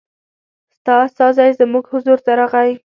ستا استازی زموږ حضور ته راغی.